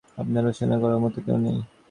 আপনার উপাসনা করার মতো কেউ নেই।